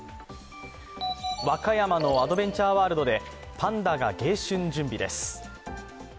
和歌山のアドベンチャーワールドでパンダが迎春準備です。